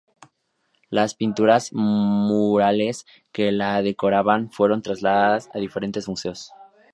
Las pinturas murales que la decoraban, fueron trasladadas a diferentes museos.